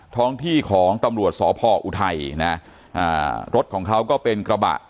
ท้องที่ของตำรวจสพออุทัยนะอ่ารถของเขาก็เป็นกระบะ